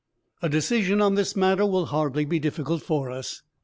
A decision on this matter will hardly be difficult for us.